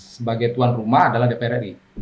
sebagai tuan rumah adalah dpr ri